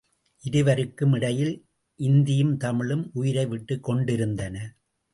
இருவருக்கும் இடையில் இந்தியும் தமிழும் உயிரை விட்டுக் கொண்டிருந்தன.